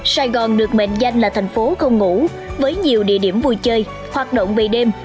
sài gòn được mệnh danh là thành phố không ngủ với nhiều địa điểm vui chơi hoạt động về đêm